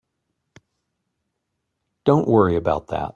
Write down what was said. Don't worry about that.